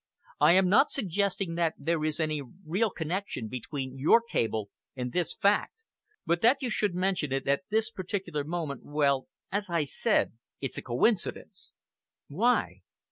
I am not suggesting that there is any real connection between your cable and this fact, but that you should mention it at this particular moment well, as I said, it's a coincidence." "Why?"